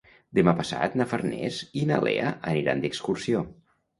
Demà passat na Farners i na Lea aniran d'excursió.